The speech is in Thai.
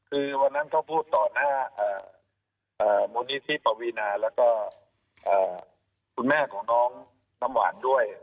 คือวันนั้นเขาพูดต่อหน้ามูลนิธิปวีนาแล้วก็คุณแม่ของน้องน้ำหวานด้วย